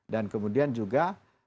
dan kemudian juga